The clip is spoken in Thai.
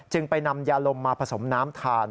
ไปนำยาลมมาผสมน้ำทาน